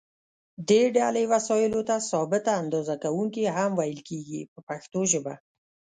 دې ډلې وسایلو ته ثابته اندازه کوونکي هم ویل کېږي په پښتو ژبه.